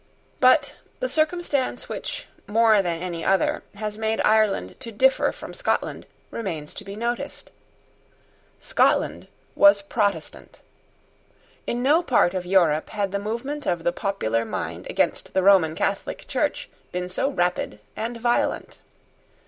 But the circumstance which, more than any other, has made Ireland to differ from Scotland remains to be noticed. Scotland was Protestant. In no part of Europe had the movement of the popular mind against the Roman Catholic Church been so rapid and violent.